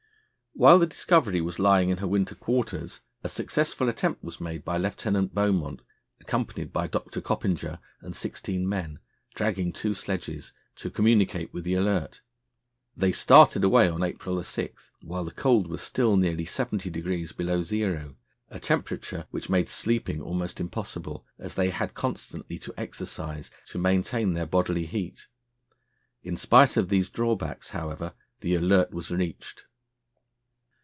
While the Discovery was lying in her winter quarters a successful attempt was made by Lieutenant Beaumont, accompanied by Dr. Coppinger and sixteen men, dragging two sledges, to communicate with the Alert. They started away on April 6, while the cold was still nearly 70° below zero, a temperature which made sleeping almost impossible, as they had constantly to exercise to maintain their bodily heat. In spite of these drawbacks, however, the Alert was reached.